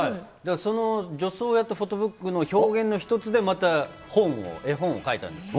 その女装やったフォトブックの表現の一つで、また絵本を描いたんです。